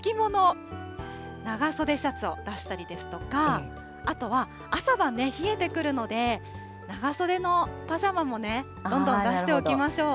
まず秋物、長袖シャツを出したりですとか、あとは朝晩ね、冷えてくるので長袖のパジャマもね、どんどん出しておきましょう。